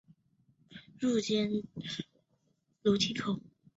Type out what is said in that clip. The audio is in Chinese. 该建筑有一个开放的入口楼梯间。